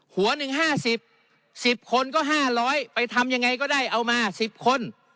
หัวหนึ่ง๕๐๑๐คนก็๕๐๐ไปทำยังไงก็ได้เอามา๑๐คน